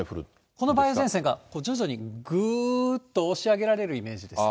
この梅雨前線が徐々にぐーっと押し上げられるイメージですね。